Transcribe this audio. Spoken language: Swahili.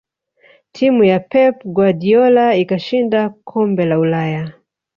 timu ya pep guardiola ikashinda kombe la ulaya